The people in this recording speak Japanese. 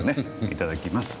いただきます。